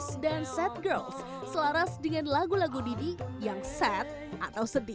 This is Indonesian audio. set boys dan set girls selaras dengan lagu lagu didi yang sad atau sedih